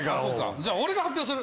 じゃあ俺が発表する！